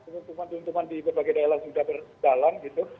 tentukan tentukan di berbagai daerah sudah berjalan gitu